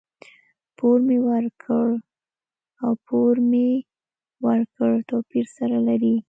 پور مي ورکړ او پور مې ورکړ؛ توپير سره لري.